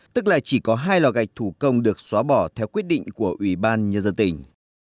tức là chỉ có hai lò gạch thủ công được xóa bỏ theo quyết định của ủy ban nhân dân tỉnh